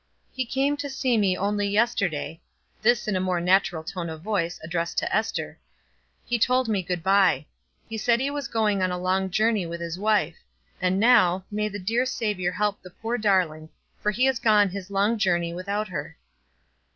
He came to see me only yesterday" this in a more natural tone of voice, addressed to Ester "he told me good by. He said he was going a long journey with his wife; and now, may the dear Savior help the poor darling, for he has gone his long journey without her."